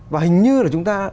và hình như là chúng ta